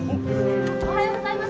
おはようございます！